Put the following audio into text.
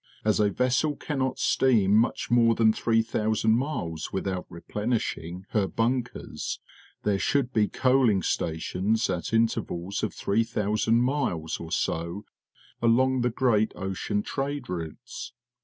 As a vessel cannot steam much more than 3,000 miles without replenishing her bunkers, there should be coaling sta tions at intervals of 3,000 miles or so along the great ocean trade routes.